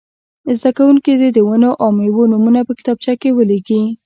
زده کوونکي دې د ونو او مېوو نومونه په کتابچه کې ولیکي.